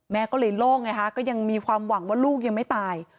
แม่ก็เลยโล่งไงฮะก็ยังมีความหวังว่าลูกยังไม่ตาย